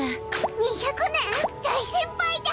２００年⁉大先輩だ！